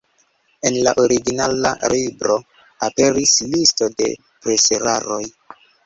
En la originala libro aperis listo de preseraroj.